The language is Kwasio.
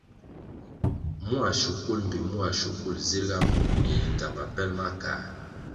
Mua shukul mbpi mua shukul zirʼga mur ñe yi ngama pel ma kā.